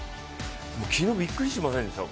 昨日びっくりしませんでした？